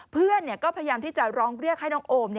เพื่อนก็พยายามที่จะร้องเรียกให้น้องโอม